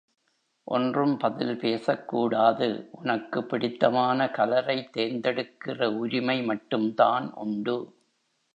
ஒன்றும் பதில் பேசக்கூடாது உனக்குப் பிடித்தமான கலரை தேர்ந்தெடுக்கிற உரிமை மட்டும்தான் உண்டு.